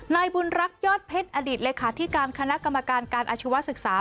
นายบุญรักษ์ยอดเพชรอดีตเลขาธิการคณะกรรมการการอาชีวศึกษา